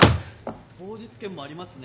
当日券もありますね。